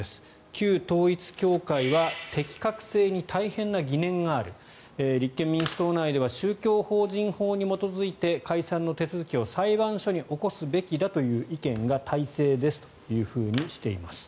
旧統一教会は適格性に大変な疑念がある立憲民主党内では宗教法人法に基づいて解散の手続きを裁判所に起こすべきだという意見が大勢ですとしています。